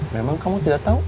memang kamu tidak tahu